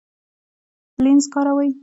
لینز کاروئ؟